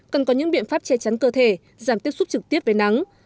cần có những biện pháp che chắn cơ thể giảm tiếp xúc trực tiếp với nắng